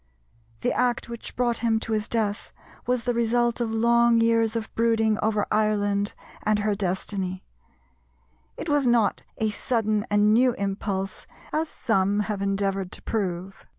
The act which brought him to his death was the result of long years of brooding over Ireland and her destiny; it was not a sudden and new impulse as some have endeavoured to prove.